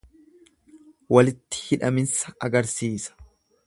Walitti hidhaminsa agarsiisa.